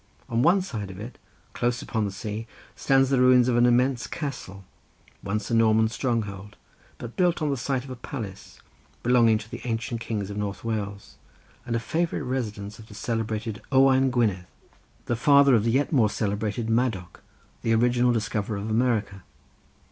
On one side of it, close upon the sea stands the ruins of an immense castle, once a Norman stronghold, but built on the site of a palace belonging to the ancient kings of North Wales, and a favourite residence of the celebrated Owain Gwynedd, the father of the yet more celebrated Madoc, the original discoverer of America.